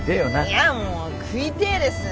いやもう食いてえです。